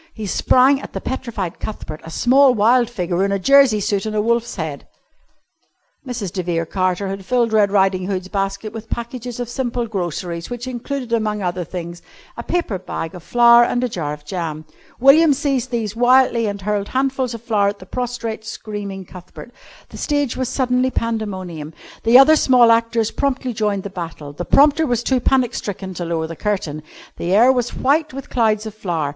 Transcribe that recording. He sprang at the petrified Cuthbert a small wild figure in a jersey suit and a wolf's head. [Illustration: THE SIGHT OF THE HATED CUTHBERT ABOUT TO EMBRACE HIS JOAN GOADED WILLIAM TO TEMPORARY MADNESS.] Mrs. de Vere Carter had filled Red Riding Hood's basket with packages of simple groceries, which included, among other things, a paper bag of flour and a jar of jam. William seized these wildly and hurled handfuls of flour at the prostrate, screaming Cuthbert. The stage was suddenly pandemonium. The other small actors promptly joined the battle. The prompter was too panic stricken to lower the curtain. The air was white with clouds of flour.